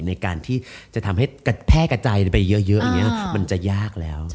ในการที่จะทำให้แพร่กระจายไปเยอะอย่างนี้มันจะยากแล้ว